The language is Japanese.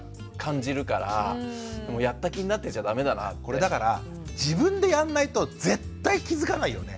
これだから自分でやんないと絶対気付かないよね。